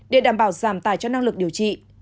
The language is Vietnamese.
để đảm bảo giảm tài cho năng lực điều trị